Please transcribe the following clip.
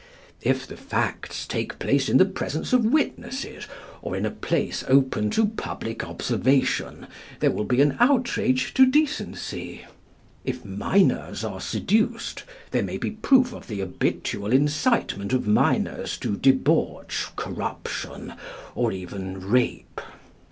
If the facts take place in the presence of witnesses, or in a place open to public observation, there will be an outrage to decency. If minors are seduced, there may be proof of the habitual incitement of minors to debauch, corruption, or even rape.